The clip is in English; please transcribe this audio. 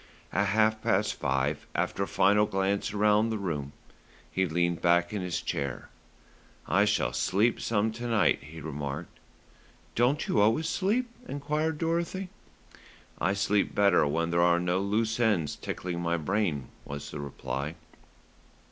At half past five, after a final glance round the room, he leaned back in his chair. "I shall sleep some to night," he remarked. "Don't you always sleep?" enquired Dorothy. "I sleep better when there are no loose ends tickling my brain," was the reply.